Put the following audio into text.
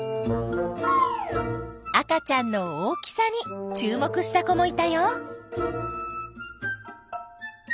赤ちゃんの大きさに注目した子もいたよ。